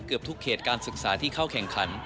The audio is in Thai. เกือบทุกเขตการศึกษาที่เข้าแข่งขัน